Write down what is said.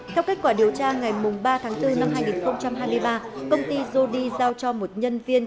theo kết quả điều tra ngày ba tháng bốn năm hai nghìn hai mươi ba công ty zody giao cho một nhân viên